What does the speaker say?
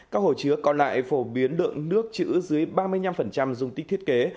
các hồ chứa còn lại phổ biến lượng nước chữ dưới ba mươi năm dung tích thiết kế